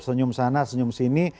senyum sana senyum sini